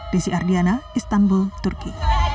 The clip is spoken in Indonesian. desi ardiana istanbul turki